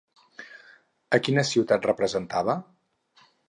A quina ciutat representava?